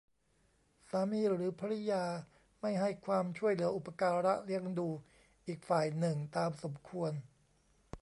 สามีหรือภริยาไม่ให้ความช่วยเหลืออุปการะเลี้ยงดูอีกฝ่ายหนึ่งตามสมควร